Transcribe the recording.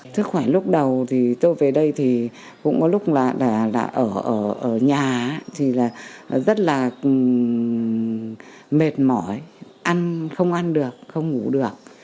sức khỏe lúc đầu thì tôi về đây thì cũng có lúc là ở nhà thì là rất là mệt mỏi ăn không ăn được không ngủ được